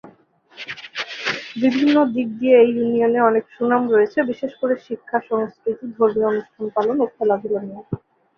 বিভিন্ন দিক দিয়ে এই ইউনিয়নে অনেক সুনাম রয়েছে বিশেষ করে শিক্ষা, সংস্কৃতি, ধর্মীয় অনুষ্ঠান পালন ও খেলাধুলা নিয়ে।